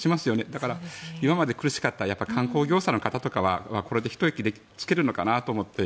だから、今まで苦しかった観光業者の方とかはこれでひと息つけるのかなと思って